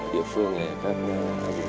địa phương này